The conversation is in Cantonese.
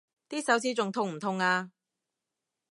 啲手指仲痛唔痛啊？